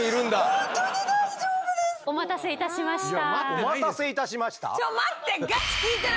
「お待たせいたしました」？